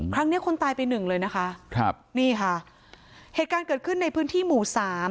ครั้งเนี้ยคนตายไปหนึ่งเลยนะคะครับนี่ค่ะเหตุการณ์เกิดขึ้นในพื้นที่หมู่สาม